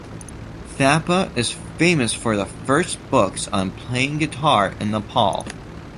Thapa is famous for the first books on playing guitar in Nepal.